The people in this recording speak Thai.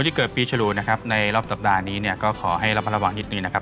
ที่เกิดปีฉลูนะครับในรอบสัปดาห์นี้เนี่ยก็ขอให้ระมัดระวังนิดนึงนะครับ